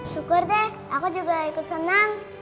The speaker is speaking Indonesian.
syukur deh aku juga ikut senang